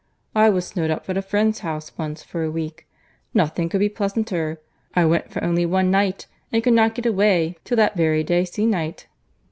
I was snowed up at a friend's house once for a week. Nothing could be pleasanter. I went for only one night, and could not get away till that very day se'nnight."